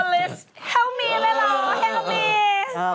พอลิสแฮล์มีเลยเหรอแฮล์มี